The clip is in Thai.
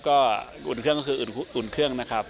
จะอดเครื่องครับ